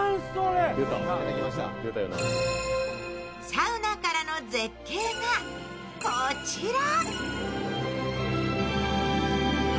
サウナからの絶景が、こちら。